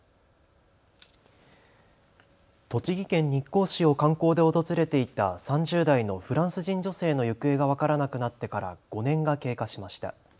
栃木県日光市を観光で訪れていた３０代のフランス人女性の行方が分からなくなってから５年が経過しました。